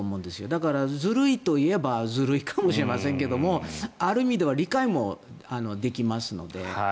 だから、ずるいと言えばずるいかもしれませんけどある意味では理解もできますので。